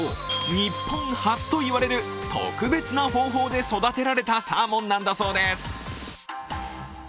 日本初といわれる特別な方法で育てられたサーモンなんだそうです。